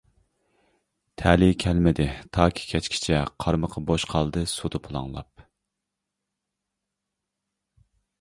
تەلىيى كەلمىدى تاكى كەچكىچە قارمىقى بوش قالدى سۇدا پۇلاڭلاپ.